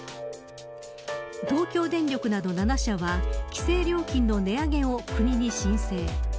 東京電力など７社は規制料金の値上げを国に申請。